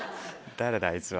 誰だあいつは。